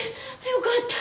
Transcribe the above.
よかった！